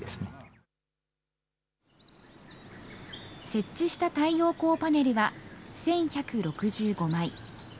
設置した太陽光パネルは、１１６５枚。